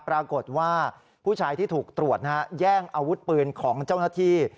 ปรากฏว่าผู้ชายที่ถูกตรวจแย่งอาวุธปืนของเจ้าหน้าที่